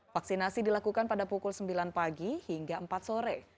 vaksinasi dilakukan pada pukul sembilan pagi hingga empat sore